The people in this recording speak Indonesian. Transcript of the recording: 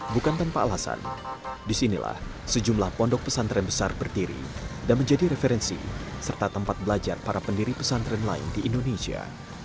bukan tanpa alasan disinilah sejumlah pondok pesantren besar berdiri dan menjadi referensi serta tempat belajar para pendiri pesantren lain di indonesia